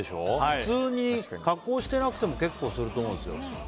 普通に加工してなくても結構すると思うんですよ。